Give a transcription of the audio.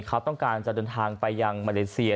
เขาต้องการจะเดินทางไปยังมาเลเซีย